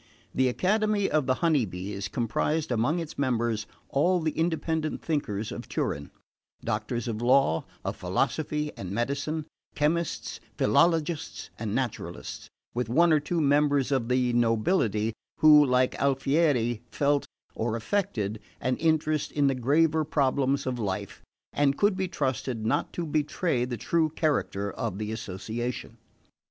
The Academy of the Honey Bees comprised among its members all the independent thinkers of Turin: doctors of law, of philosophy and medicine, chemists, philologists and naturalists, with one or two members of the nobility, who, like Alfieri, felt, or affected, an interest in the graver problems of life, and could be trusted not to betray the true character of the association.